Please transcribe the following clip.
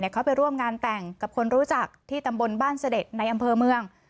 เขาไปร่วมงานแต่งกับคนรู้จักที่ตำบลบ้านเสด็จในอำเภอเมือง